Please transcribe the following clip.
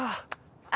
あ。